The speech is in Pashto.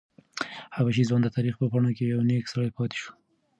حبشي ځوان د تاریخ په پاڼو کې یو نېک سړی پاتې شو.